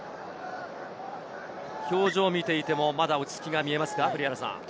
表情を見ていてもまだ落ち着きが見えますか。